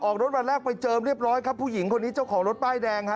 รถวันแรกไปเจอเรียบร้อยครับผู้หญิงคนนี้เจ้าของรถป้ายแดงฮะ